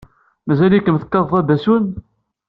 Mazal-ikem tekkateḍ abasun?